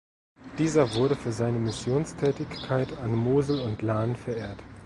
Dieser wurde für seine Missionstätigkeit an Mosel und Lahn verehrt.